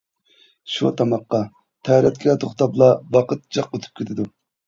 شۇ تاماققا، تەرەتكە توختاپلا ۋاقىت جىق ئۆتۈپ كېتىدۇ.